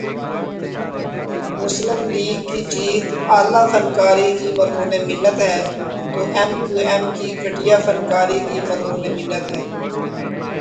مسلم لیگ کی جیت اعلی فنکاری کی مرہون منت ہے تو ایم کیو ایم کی گھٹیا فنکاری کی مرہون منت ہے